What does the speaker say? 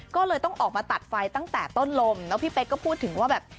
ก็เลยต้องออกมาตัดไฟตั้งแต่ต้นลมแล้วพี่เป๊กก็พูดถึงว่าแบบ